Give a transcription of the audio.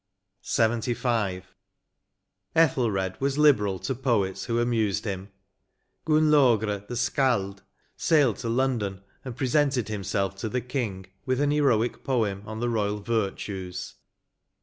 150 LXXV. " Ethelred was liberal to poets who amused him. Gunnlaugr, the Scalld, sailed to London, and pre sented himself to the Bang, with an heroic poem on the royal virtues.